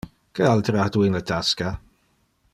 Que altere ha tu in le tasca?